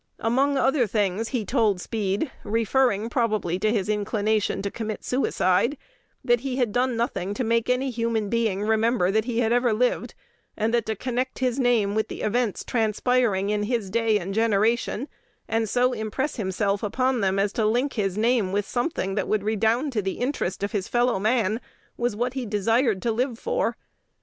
Among other things, he told Speed, referring probably to his inclination to commit suicide, "that he had done nothing to make any human being remember that he had lived, and that to connect his name with the events transpiring in his day and generation, and so impress himself upon them as to link his name with something that would redound to the interest of his fellow man, was what he desired to live for."